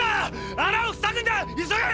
穴を塞ぐんだ急げ！！